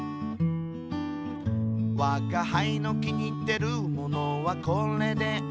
「わが輩の気に入ってるものはこれである」